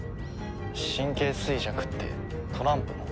神経衰弱ってトランプの？